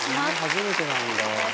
初めてなんだ。